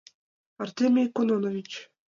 Артемий Кононович!..